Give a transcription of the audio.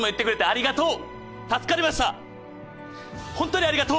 ありがとう！